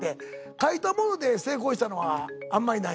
書いたもので成功したのはあんまりないね。